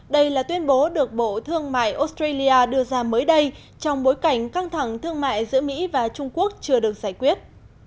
đây là tuyên bố được bộ thương mại australia đưa ra mới đây trong bối cảnh căng thẳng thương mại giữa mỹ và trung quốc chưa được giải quyết